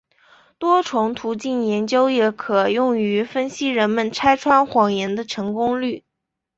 多重途径研究也可用于分析人们拆穿谎言的成功率。